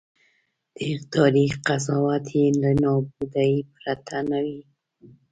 د تاریخ قضاوت یې له نابودۍ پرته نه وي.